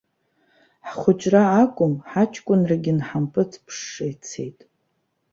Ҳхәыҷра акәым, ҳаҷкәынрагьы нҳампыҵԥшша ицеит.